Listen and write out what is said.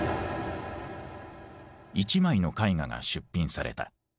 一枚の絵画が出品された。